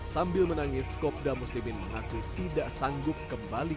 sambil menangis kopda muslimin mengaku tidak sanggup kembali